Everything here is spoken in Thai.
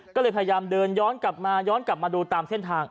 ก็เลยพยายามเดินย้อนกลับมาย้อนกลับมาดูตามเส้นทาง